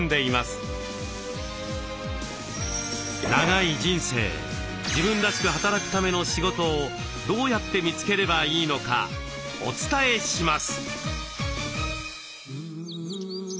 長い人生自分らしく働くための仕事をどうやって見つければいいのかお伝えします。